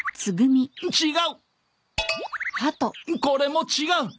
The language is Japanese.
これも違う。